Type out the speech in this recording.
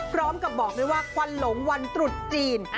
พร้อมกับบอกด้วยว่าควันหลงวันตรุษจีน